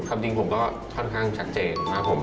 ความจริงผมก็ค่อนข้างชักเจน